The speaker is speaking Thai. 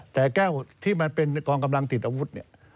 แต่แก้วที่มันเป็นกองกำลังติดอาวุธเนี่ย